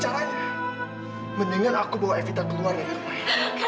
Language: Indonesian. caranya mendingan aku bawa evita keluar dari rumah